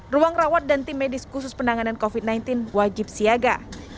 ruang rawat dan tim medis khusus penanganan covid sembilan belas wajib siaga